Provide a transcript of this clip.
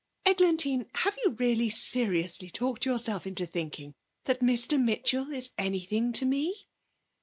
'Eglantine, have you really seriously talked yourself into thinking that Mr Mitchell is anything to me?'